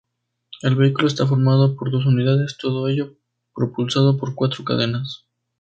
El vehículo está formado por dos unidades, todo ello propulsado por cuatro cadenas.